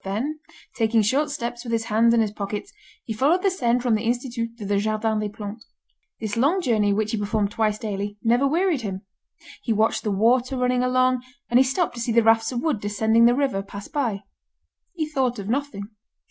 Then, taking short steps with his hands in his pockets, he followed the Seine from the Institut to the Jardin des Plantes. This long journey which he performed twice daily, never wearied him. He watched the water running along, and he stopped to see the rafts of wood descending the river, pass by. He thought of nothing.